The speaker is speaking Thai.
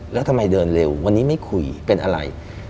แล้วทำไมเดินเร็ววันนี้ไม่คุยเป็นอะไร